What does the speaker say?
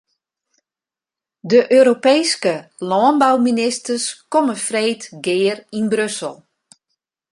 De Europeeske lânbouministers komme freed gear yn Brussel.